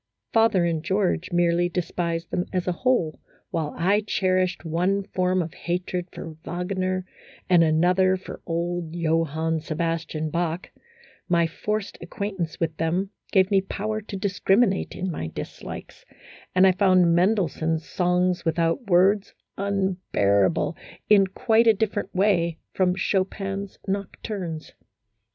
Father and George merely despised them as a whole, while I cherished one form of hatred for Wagner, and another for old Johann Sebastian Bach ; my forced acquaintance with them gave me power to discriminate in my dislikes, and I found Mendelssohn's " Songs Without Words " unbearable in quite a different way from Chopin's nocturnes.